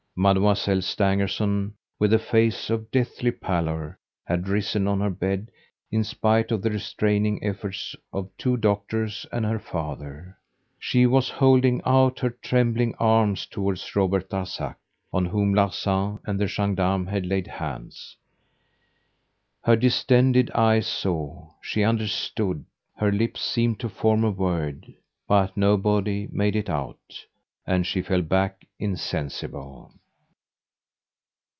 Mademoiselle Stangerson, with a face of deathly pallor, had risen on her bed, in spite of the restraining efforts of two doctors and her father. She was holding out her trembling arms towards Robert Darzac, on whom Larsan and the gendarme had laid hands. Her distended eyes saw she understood her lips seemed to form a word, but nobody made it out; and she fell back insensible.